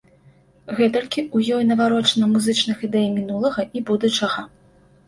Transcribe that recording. Гэтулькі ў ёй наварочана музычных ідэй мінулага і будучага.